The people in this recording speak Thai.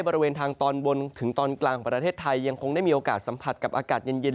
บริเวณทางตอนบนถึงตอนกลางของประเทศไทยยังคงได้มีโอกาสสัมผัสกับอากาศเย็น